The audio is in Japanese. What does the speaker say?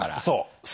そう。